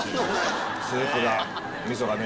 スープがみそがね